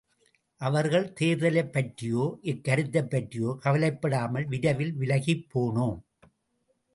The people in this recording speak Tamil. அவர்கள் தேர்தலைப் பற்றியோ, இக்கருத்தைப் பற்றியோ கவலைப்படாமல், விரைவில் விலகிப் போனோம்.